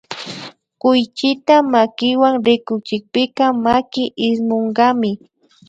Kuychita makiwan rikuchikpika maki ismunkami